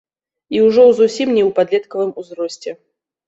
І ўжо ў зусім не ў падлеткавым узросце.